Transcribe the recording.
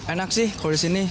enak sih kalau disini